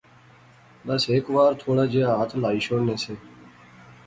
بس ہیک وار تھوڑا جیا ہتھ ہلائی شوڑنے سے